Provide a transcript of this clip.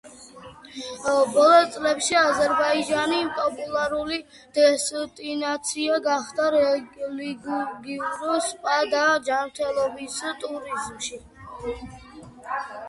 ბოლო წლებში, აზერბაიჯანი პოპულარული დესტინაცია გახდა რელიგიურ, სპა და ჯანმრთელობის ტურიზმში.